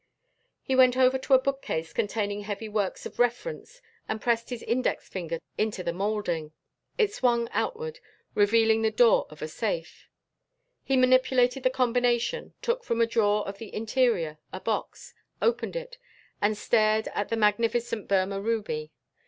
He went over to a bookcase containing heavy works of reference and pressed his index finger into the molding. It swung outward, revealing the door of a safe. He manipulated the combination, took from a drawer of the interior a box, opened it and stared at a magnificent Burmah ruby.